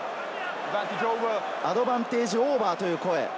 アドバンテージオーバーという声。